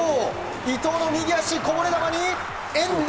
伊東の右足、こぼれ球に遠藤。